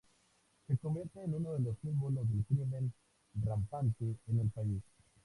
Se convierte en uno de los símbolos del crimen rampante en el país.